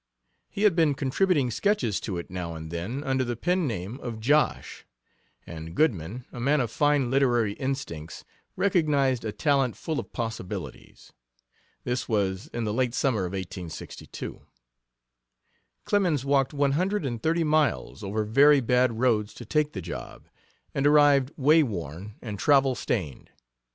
He had been contributing sketches to it now and then, under the pen, name of "Josh," and Goodman, a man of fine literary instincts, recognized a talent full of possibilities. This was in the late summer of 1862. Clemens walked one hundred and thirty miles over very bad roads to take the job, and arrived way worn and travel stained.